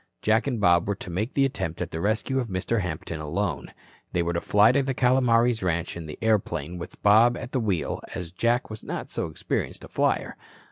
Jack and Bob were to make the attempt at the rescue of Mr. Hampton alone. They were to fly to the Calomares ranch in the airplane with Bob at the wheel, as Jack was not so experienced a flyer.